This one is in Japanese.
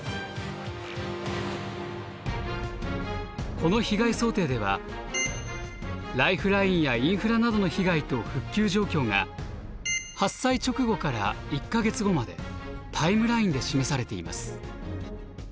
この被害想定ではライフラインやインフラなどの被害と復旧状況が発災直後から１か月後までタイムラインで示されています。